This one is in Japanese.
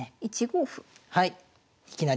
１五歩。